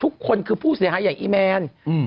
อึกอึกอึกอึก